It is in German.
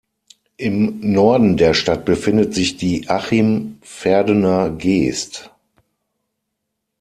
Im Norden der Stadt befindet sich die Achim-Verdener Geest.